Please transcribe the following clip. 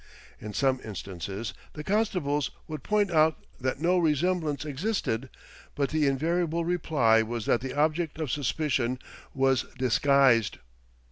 In some instances the constables would point out that no resemblance existed; but the invariable reply was that the object of suspicion was disguised.